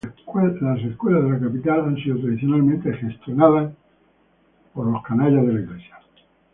Las escuelas de la capital han sido tradicionalmente gestionadas por la iglesia.